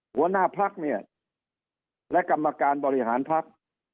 หัวหน้าพักเนี่ยและกรรมการบริหารพัก